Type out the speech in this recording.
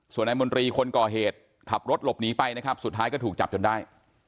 ส่วนนายมนตรีคนก่อเหตุขับรถหลบหนีไปนะครับสุดท้ายก็ถูกจับจนได้